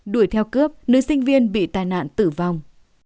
đuổi theo cướp nữ sinh viên bị tai nạn tử vong